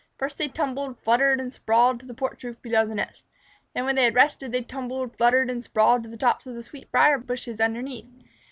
First they tumbled, fluttered, and sprawled to the porch roof below the nest. Then when they had rested, they tumbled, fluttered, and sprawled to the tops of the sweetbriar bushes underneath.